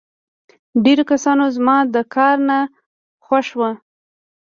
ډېرو کسانو زما دا کار نه خوښاوه